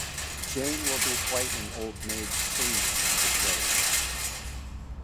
Jane will be quite an old maid soon, I declare.